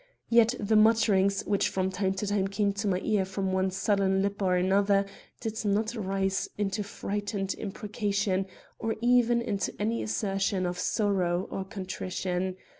Yet the mutterings, which from time to time came to my ears from one sullen lip or another, did not rise into frightened imprecation or even into any assertion of sorrow or contrition.